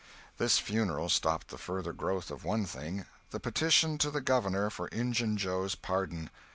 This funeral stopped the further growth of one thing—the petition to the governor for Injun Joe's pardon.